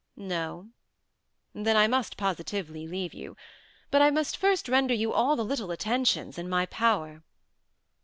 No? Then I must positively leave you. But I must first render you all the little attentions in my power."